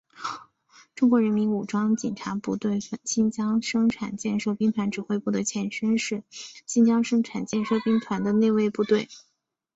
中国人民武装警察部队新疆生产建设兵团指挥部的前身是新疆生产建设兵团的内卫部队。